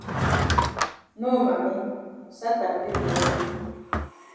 No mami Satan dey for road.